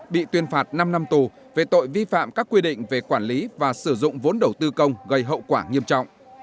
bị tuyên phạt năm năm tù về tội vi phạm các quy định về quản lý và sử dụng vốn đầu tư công gây hậu quả nghiêm trọng